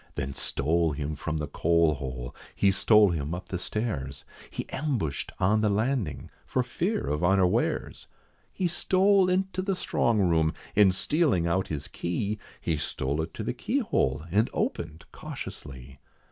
Then stole him from the coal hole, he stole him up the stairs, He ambushed on the landing, for fear of unawares. He stole into the strong room, and stealing out his key, He stole it to the keyhole, and opened cautiously.